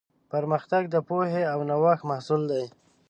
پرمختګ د پوهې او نوښت محصول دی.